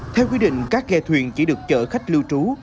theo quy định các ghe thuyền chỉ được chở khách lưu trú